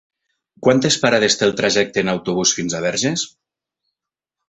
Quantes parades té el trajecte en autobús fins a Verges?